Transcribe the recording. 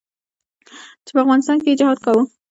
چې په افغانستان کښې يې جهاد کاوه.